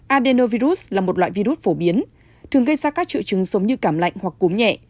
adenovirus là một loại virus phổ biến thường gây ra các triệu chứng giống như cảm lạnh hoặc cúm nhẹ